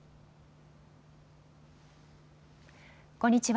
こんにちは。